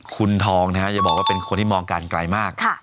คุณทองนะฮะอย่าบอกว่าเป็นคนที่มองกันไกลมาก